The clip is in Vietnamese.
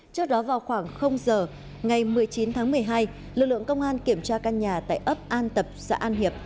trước đó vào khoảng giờ ngày một mươi chín tháng một mươi hai lực lượng công an kiểm tra căn nhà tại ấp an tập xã an hiệp